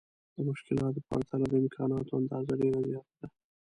د مشکلاتو په پرتله د امکاناتو اندازه ډېره زياته ده.